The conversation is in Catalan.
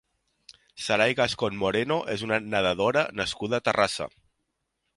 Sarai Gascón Moreno és una nedadora nascuda a Terrassa.